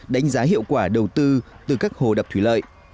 đánh giá hiệu quả đầu tư từ các hồ đập thủy lợi